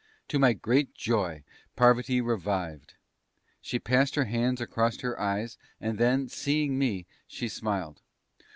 To my great joy Parvati revived; she passed her hands across her eyes, and then, seeing me, she smiled.